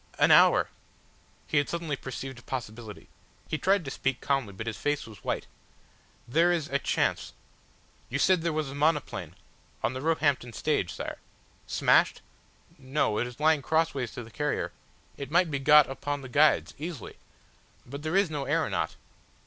An hour!" He had suddenly perceived a possibility. He tried to speak calmly, but his face was white. "There is are chance. You said there was a monoplane ?" "On the Roehampton stage, Sire." "Smashed?" "No. It is lying crossways to the carrier. It might be got upon the guides easily. But there is no aeronaut